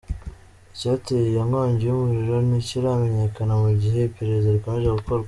Icyateye iyi nkongi y’umuriro ntikiramenyekana mu gihe iperereza rikomeje gukorwa.